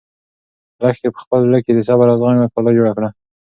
لښتې په خپل زړه کې د صبر او زغم یوه کلا جوړه کړه.